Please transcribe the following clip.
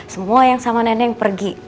semua yang sama nenek yang pergi